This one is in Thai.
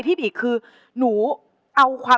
โปรดติดตามต่อไป